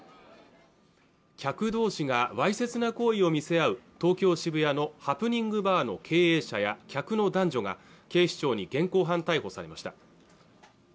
客同士がわいせつな行為を見せ合う東京・渋谷のハプニングバーの経営者や客の男女が警視庁に現行犯逮捕されました